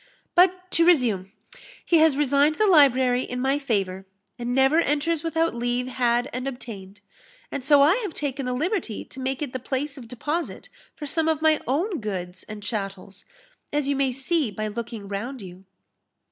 But to resume he has resigned the library in my favour, and never enters without leave had and obtained; and so I have taken the liberty to make it the place of deposit for some of my own goods and chattels, as you may see by looking round you."